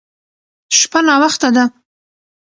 شپه ناوخته ده.